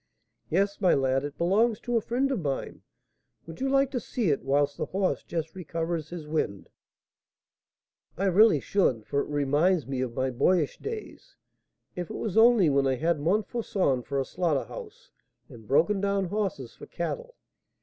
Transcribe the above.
"Yes, my lad; it belongs to a friend of mine. Would you like to see it whilst the horse just recovers his wind?" "I really should, for it reminds me of my boyish days, if it was only when I had Montfauçon for a slaughter house and broken down horses for cattle.